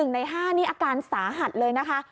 ใน๕นี่อาการสาหัสเลยนะคะ